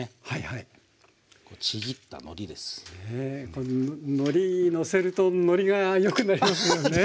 こうのりのせるとのりが良くなりますよね。